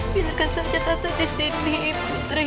biarkan saja tante disini putri